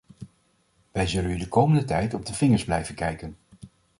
Wij zullen u de komende tijd op de vingers blijven kijken.